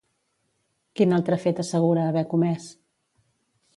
Quin altre fet assegura haver comès?